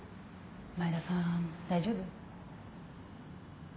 前田さん大丈夫？